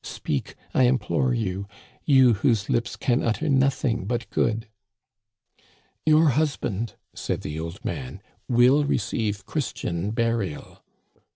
Speak, I implore you, you whose lips can utter nothing but good !" "Your husband," said the old man, "will receive Christian burial."